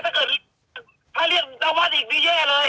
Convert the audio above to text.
ถ้าเลือกนักวัดอีกนี่แย่ล่ะเลย